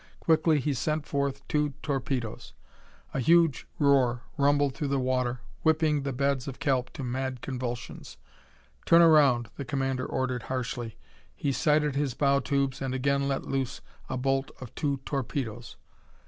Quickly he sent forth two torpedoes. A huge roar rumbled through the water, whipping the beds of kelp to mad convulsions. "Turn around," the commander ordered harshly. He sighted his bow tubes and again let loose a bolt of two torpedoes.